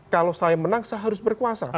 kalau saya menang saya harus berkuasa